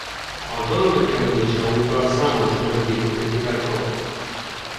A dal megjelenése óta számos negatív kritikát kapott.